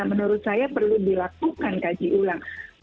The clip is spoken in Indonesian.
menurut saya perlu dilakukan kaji ulang